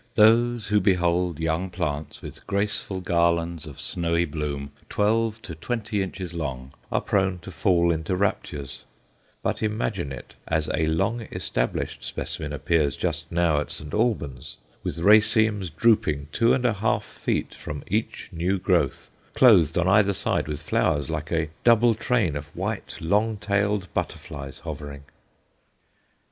Those who behold young plants with graceful garlands of snowy bloom twelve to twenty inches long are prone to fall into raptures; but imagine it as a long established specimen appears just now at St Albans, with racemes drooping two and a half feet from each new growth, clothed on either side with flowers like a double train of white long tailed butterflies hovering!